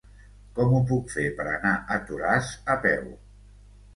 Com ho puc fer per anar a Toràs a peu?